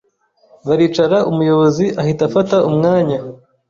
baricara umuyobozi ahita afata umwanya,